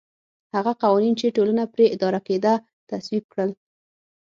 هغه قوانین چې ټولنه پرې اداره کېده تصویب کړل